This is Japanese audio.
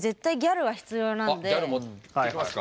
あっギャル持ってきますか。